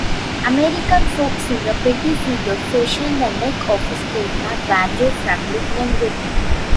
American folksinger Pete Seeger fashioned the neck of his trademark banjo from lignum vitae.